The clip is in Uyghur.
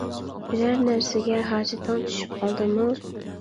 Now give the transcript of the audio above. بىرەر نەرسىگە ھاجىتىڭ چۈشۈپ قالدىمۇ؟